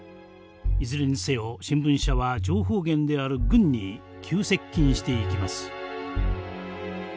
いずれにせよ新聞社は情報源である軍に急接近していきます。